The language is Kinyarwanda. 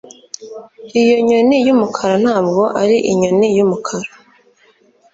Iyo nyoni yumukara ntabwo ari inyoni yumukara